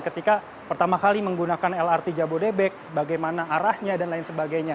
ketika pertama kali menggunakan lrt jabodebek bagaimana arahnya dan lain sebagainya